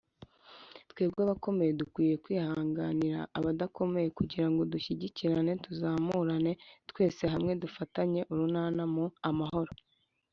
Twebwe abakomeye dukwiriye kwihanganira abadakomeye kugira ngo dushyigikirane tuzamurane twese hamwe dufatanye urunana mu amahoro